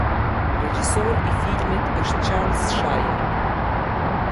Regjisor i filmit është Çarls Shajer.